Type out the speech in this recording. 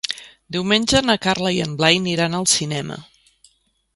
Diumenge na Carla i en Blai aniran al cinema.